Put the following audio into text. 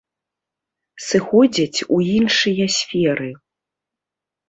Сыходзяць у іншыя сферы.